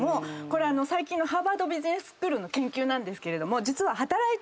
これ最近のハーバード・ビジネス・スクールの研究ですけど実は。